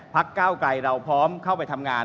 ก้าวไกรเราพร้อมเข้าไปทำงาน